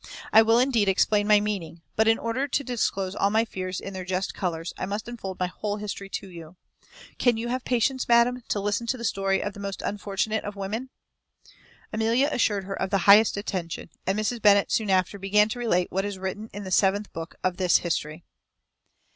I will, indeed, explain my meaning; but, in order to disclose all my fears in their just colours, I must unfold my whole history to you. Can you have patience, madam, to listen to the story of the most unfortunate of women?" Amelia assured her of the highest attention, and Mrs. Bennet soon after began to relate what is written in the seventh book of this history.